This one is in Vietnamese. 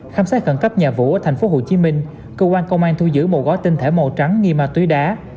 khám sát khẩn cấp nhà vũ ở thành phố hồ chí minh cơ quan công an thu giữ một gói tinh thẻ màu trắng nghi ma túy đá